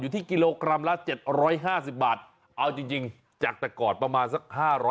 ที่กิโลกรัมละ๗๕๐บาทเอาจริงจากแต่ก่อนประมาณสัก๕๐๐